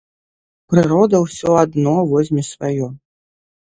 Прырода ўсё адно возьме сваё.